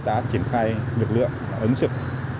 đã triển khai lực lượng ứng trực